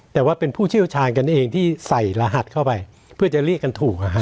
แต่ว่าเป็นผู้เชี่ยวชาญกันเองที่ใส่รหัสเข้าไปเพื่อจะเรียกกันถูก